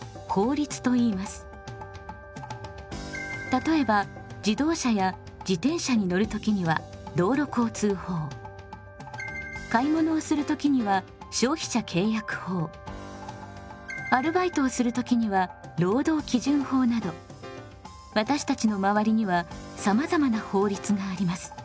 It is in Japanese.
例えば自動車や自転車に乗る時には道路交通法買い物をする時には消費者契約法アルバイトをする時には労働基準法など私たちの周りにはさまざまな法律があります。